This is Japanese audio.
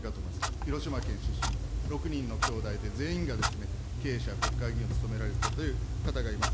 広島県出身、６人のきょうだいで、全員が経営者、国会議員を務められたという方がいます。